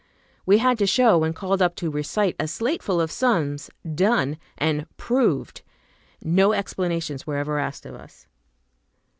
We had to show, when called up to recite, a slateful of sums, "done" and "proved." No explanations were ever asked of us.